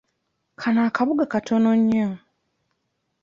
Kano kabuga katono nnyo.